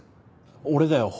俺だよ堀。